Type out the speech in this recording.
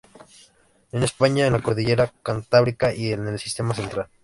En España en la Cordillera Cantábrica y en el Sistema Central.